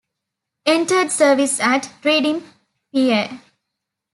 Entered service at: Reading Pa.